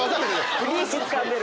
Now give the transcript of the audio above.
リーチつかんでる。